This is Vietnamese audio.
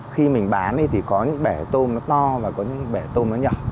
khi mình bán thì có những bể tôm nó to và có những bể tôm nó nhỏ